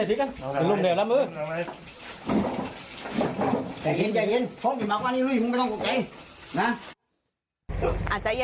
สิลุงแล้วรับมือสังเกต์โทษมากกว่านี้ก็ไม่ต้องไปไก่นะ